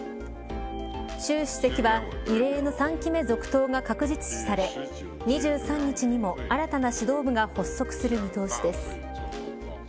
習首席は異例の３期目続投が確実視され２３日にも新たな指導部が発足する見通しです。